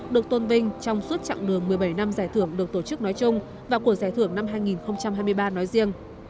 được tôn vinh trong suốt chặng đường một mươi bảy năm giải thưởng được tổ chức nói chung và của giải thưởng năm hai nghìn hai mươi ba nói riêng